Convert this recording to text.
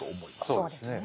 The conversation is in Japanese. そうですね。